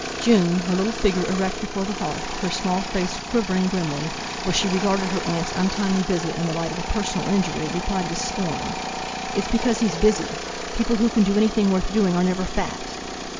June, her little figure erect before the hearth, her small face quivering grimly, for she regarded her aunt's untimely visit in the light of a personal injury, replied with scorn: "It's because he's busy; people who can do anything worth doing are never fat!"